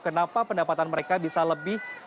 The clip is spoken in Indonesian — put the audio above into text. kenapa pendapatan mereka bisa lebih